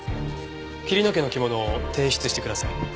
桐野家の着物を提出してください。